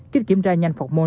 kích kiểm tra nhanh phọc môn